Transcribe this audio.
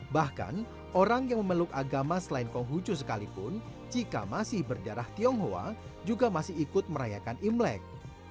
bahkan orang yang memeluk agama selain konghucu sekalipun jika masih berdarah tionghoa juga masih ikut merayakan imlek